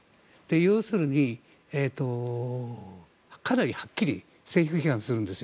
要するに、かなりはっきり政府批判をするんですよ。